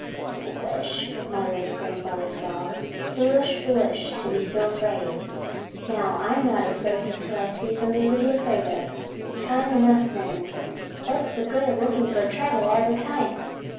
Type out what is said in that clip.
"Foolish!" muttered Grandfather Frog. "Foolish, foolish to be so afraid! Now, I'm not afraid until I see something to be afraid of. Time enough then. What's the good of looking for trouble all the time?